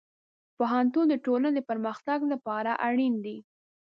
پوهنتون د ټولنې د پرمختګ لپاره اړین دی.